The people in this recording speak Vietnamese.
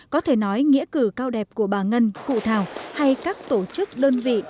có thể nói nghĩa cử cao đẹp của bà ngân cụ thảo hay các tổ chức đơn vị